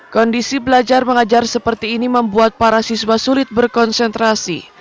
kondisi belajar mengajar seperti ini membuat para siswa sulit berkonsentrasi